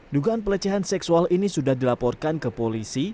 dugaan pelecehan seksual ini sudah dilaporkan ke polisi